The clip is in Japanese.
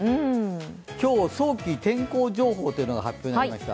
今日、早期天候情報というのが発表されました。